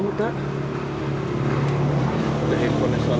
maka jangan liat suruh vor station